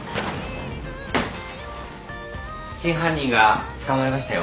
真犯人が捕まりましたよ